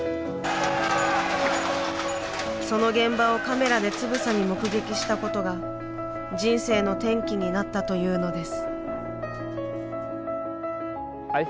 その現場をカメラでつぶさに目撃したことが人生の転機になったというのです。